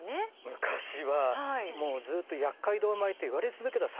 昔はもうずっと「やっかいどう米」って言われ続けた産地なので。